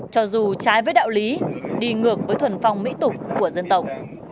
cho dù trái với đạo lý đi ngược với thuần phong mỹ tục của dân tộc